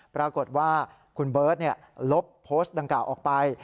ปรากฏว่าคุณเบิร์ตลบโพสต์ดังกล่าวออกไป